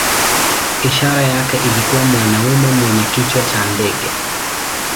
Ishara yake ilikuwa mwanamume mwenye kichwa cha ndege.